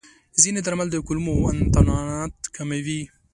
ځینې درمل د کولمو انتانات کموي.